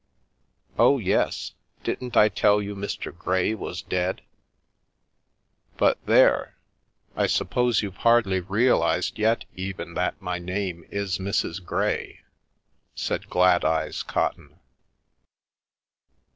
"Oh, yes, didn't I tell you Mr. Grey was dead? But there, I suppose you've hardly realised yet even that my name is Mrs. Grey/ 9 said Gladeyes Cotton.